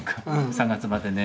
３月までね。